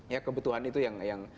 ya kebutuhan itu yang